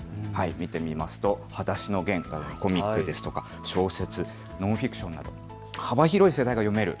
見てみますとはだしのゲン、コミックですとか小説、ノンフィクションなど幅広い世代が読める